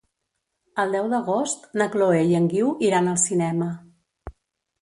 El deu d'agost na Chloé i en Guiu iran al cinema.